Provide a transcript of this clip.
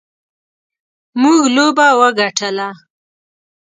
موږ لوبه وګټله.